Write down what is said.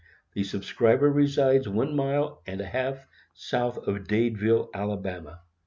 The subscriber resides one mile and a half south of Dadeville, Ala. B. BLACK.